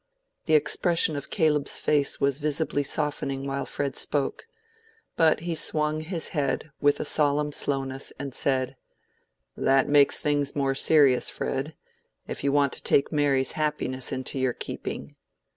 The expression of Caleb's face was visibly softening while Fred spoke. But he swung his head with a solemn slowness, and said— "That makes things more serious, Fred, if you want to take Mary's happiness into your keeping."